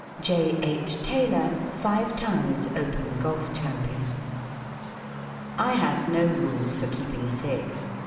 ____ J. H. TAYLOR. Five times Open Golf Champion, I have no rules for keeping fit.